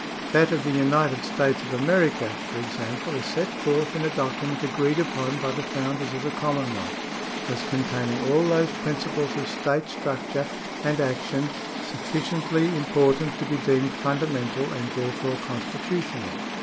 That of the United States of America, for example, is set forth in a document agreed upon by the founders of the Commonwealth as containing all those principles of state structure and action sufficiently important to be deemed fundamental and therefore constitutional.